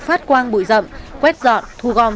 phát quang bụi rậm quét dọn thu gom